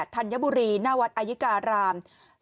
ธัญบุรีหน้าวัดอายุการาม